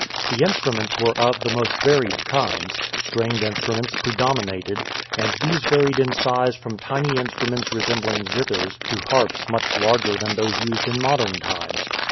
The instruments were of the most varied kinds; stringed instruments predominated, and these varied in size from tiny instruments resembling zithers to harps much larger than those used in modern times.